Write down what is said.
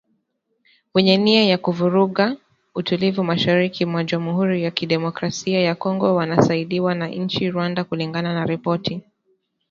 Wenye nia ya kuvuruga utulivu mashariki mwa jamuhuri ya kidemokrasia ya kongo wanasaidiwa na Inchi Rwanda kulingana na ripoti